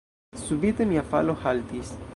Subite mia falo haltis.